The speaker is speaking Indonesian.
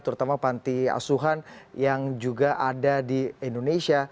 terutama panti asuhan yang juga ada di indonesia